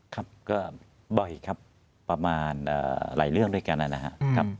ครับก็บ่อยครับประมาณหลายเรื่องด้วยกันนะครับ